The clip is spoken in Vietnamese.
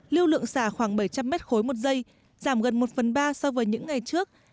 lưu lượng xả khoảng bảy trăm linh m ba một giây giảm gần một phần ba so với những ngày trước